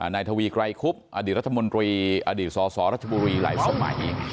นายทวีไกรคุบอดีตรัฐมนตรีอดีตสสรัชบุรีหลายสมัย